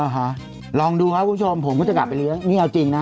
อ๋อฮะลองดูครับผู้ชมผมก็จะกลับไปเลี้ยง